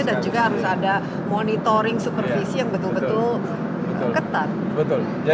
dan juga harus ada monitoring supervisi yang betul betul ketat